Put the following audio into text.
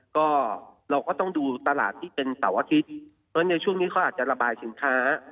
ก็เราก็ต้องดูตลาดที่เป็นเสาร์อาทิตย์เพราะฉะนั้นในช่วงนี้เขาอาจจะระบายสินค้า